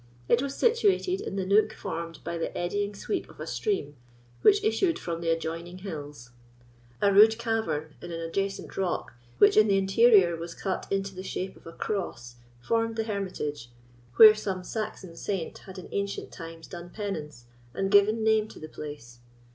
It was situated in the nook formed by the eddying sweep of a stream, which issued from the adjoining hills. A rude cavern in an adjacent rock, which, in the interior, was cut into the shape of a cross, formed the hermitage, where some Saxon saint had in ancient times done penance, and given name to the place.